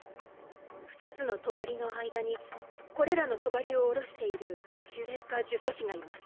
２つの帳の間にこれらの帳を下ろしている呪霊か呪詛師がいます。